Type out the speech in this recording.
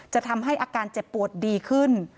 จะทำให้อาการเจ็บปวดดีขึ้น